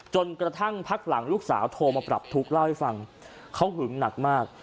กระทั่งพักหลังลูกสาวโทรมาปรับทุกข์เล่าให้ฟังเขาหึงหนักมาก